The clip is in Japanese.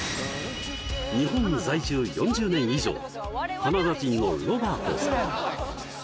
日本在住４０年以上カナダ人のロバートさん